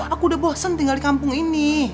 aku udah bosen tinggal di kampung ini